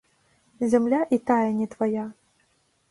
Зямля і тая не твая.